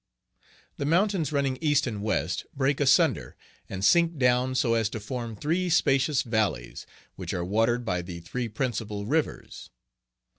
Page 15 The mountains running east and west break asunder and sink down so as to form three spacious valleys, which are watered by the three principal rivers.